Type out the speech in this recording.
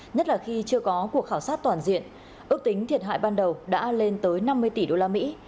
nhất là khi chưa có cuộc khảo sát toàn diện ước tính thiệt hại ban đầu đã lên tới năm mươi tỷ usd